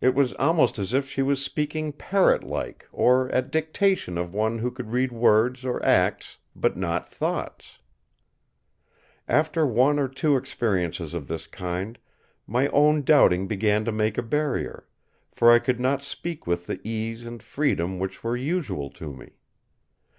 It was almost as if she was speaking parrot like or at dictation of one who could read words or acts, but not thoughts. After one or two experiences of this kind, my own doubting began to make a barrier; for I could not speak with the ease and freedom which were usual to me.